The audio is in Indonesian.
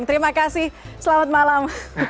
terima kasih selamat malam